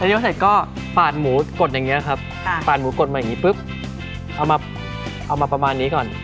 เยอะเสร็จก็ปาดหมูกดอย่างนี้ครับปาดหมูกดมาอย่างนี้ปุ๊บเอามาเอามาประมาณนี้ก่อน